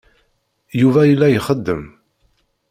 Yuba yella ixeddem.